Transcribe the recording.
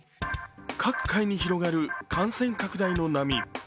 各界に広がる感染拡大の波。